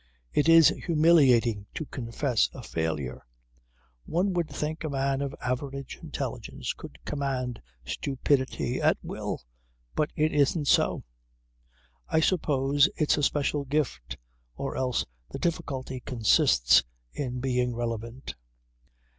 It is humiliating to confess a failure. One would think that a man of average intelligence could command stupidity at will. But it isn't so. I suppose it's a special gift or else the difficulty consists in being relevant.